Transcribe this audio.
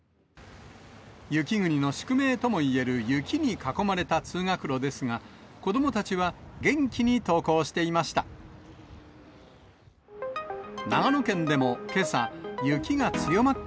雪国の宿命ともいえる雪に囲まれた通学路ですが、子どもたちは元気に登校していました。